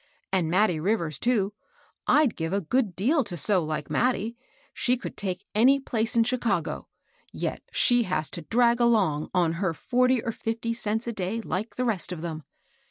And Mattie Rivers, too, — I'd give a good deal to sew like Mattie, — she could take any place in Chicago, yet she has to drag along on her forty or fifly cents a day, like the rest of them.